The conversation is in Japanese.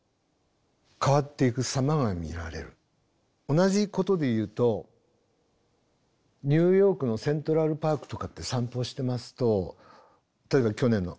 同じことで言うとニューヨークのセントラルパークとかって散歩してますと例えば去年の秋とかすごい落ち葉が多いです。